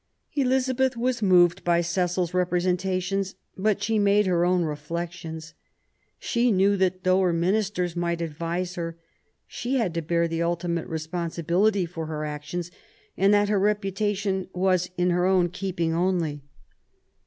Elizabeth was moved by Cecil's representations ; but she made her own reflections. She knew that, though her ministers might advise her, she had to bear the ultimate responsibility for het actions, and that her reputation was in her own keeping only.